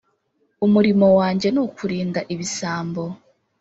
umurimo wanjye ni ukurinda ibisambo,